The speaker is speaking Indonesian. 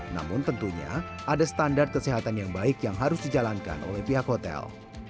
namun tentunya ada standar kesehatan yang baik yang harus dijalankan oleh pihak hotel